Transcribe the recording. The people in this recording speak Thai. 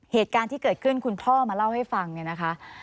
เหตุการณ์ที่เกิดขึ้นคุณพ่อมาเล่าให้ฟังเนี่ยนะคะ